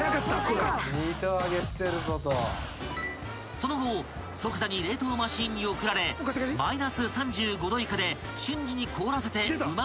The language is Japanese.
［その後即座に冷凍マシンに送られマイナス３５℃以下で瞬時に凍らせてうま味を閉じ込め］